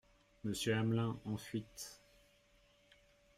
Monsieur Amelin, en fuite.